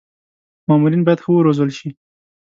مامورین باید ښه و روزل شي.